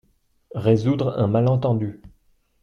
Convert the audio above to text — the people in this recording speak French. Résoudre un malentendu.